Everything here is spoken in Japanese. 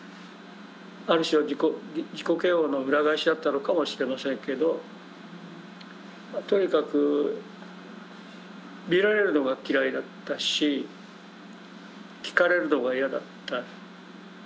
ある種の自己嫌悪の裏返しだったのかもしれませんけどとにかく見られるのが嫌いだったし聞かれるのが嫌だった。